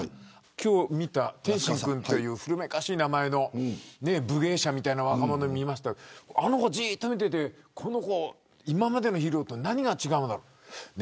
今日見た天心さんという古めかしい名前の武芸者みたいな若者を見ましたけどじっと見ていてこの子は今までのヒーローと何が違うのか。